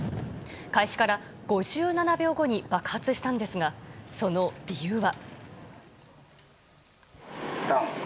開始から５７秒後に爆発したんですがその理由は。